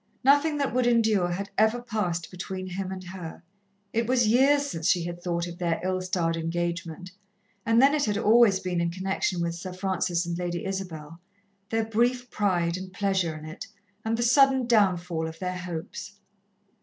Nothing that would endure had ever passed between him and her. It was years since she had thought of their ill starred engagement, and then it had always been in connection with Sir Francis and Lady Isabel their brief pride and pleasure in it, and the sudden downfall of their hopes.